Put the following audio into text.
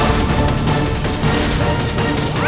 apa seputar aku